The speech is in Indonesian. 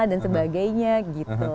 dan sebagainya gitu